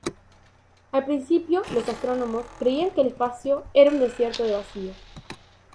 Al principio, los astrónomos creían que el espacio era un desierto de vacío.